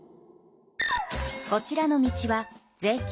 こちらの道は税金